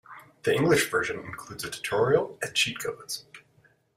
The English version includes a tutorial and cheat codes.